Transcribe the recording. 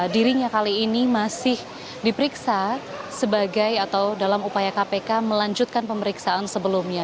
dirinya kali ini masih diperiksa sebagai atau dalam upaya kpk melanjutkan pemeriksaan sebelumnya